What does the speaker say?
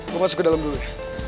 gue masuk ke dalam dulu ya